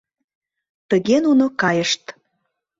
Тыге нуно кайышт.